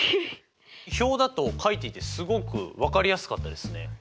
表だと書いていてすごく分かりやすかったですね。